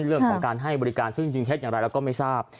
เรื่องของการให้บริการซึ่งจริงเท็จอย่างไรเราก็ไม่ทราบ